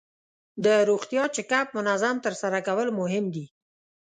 د روغتیا چک اپ منظم ترسره کول مهم دي.